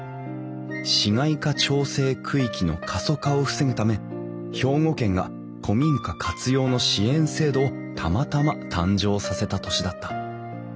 市街化調整区域の過疎化を防ぐため兵庫県が古民家活用の支援制度をたまたま誕生させた年だった。